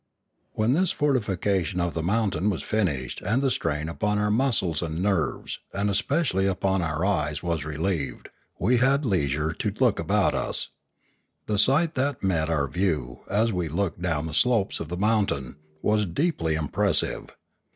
When this fortification of the mountain was finished and the strain upon our muscles and nerves, and espe cially upon our eyes, was relieved, we had leisure to look about us. The sight that met our view, as we looked down the slopes of the mountain, was deeply impressive.